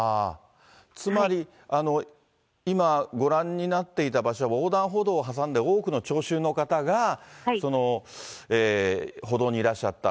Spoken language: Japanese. つまり、今、ご覧になっていた場所、横断歩道を挟んで多くの聴衆の方が歩道にいらっしゃった。